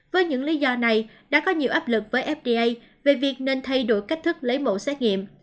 với những lý do này đã có nhiều áp lực với fda về việc nên thay đổi cách thức lấy mẫu xét nghiệm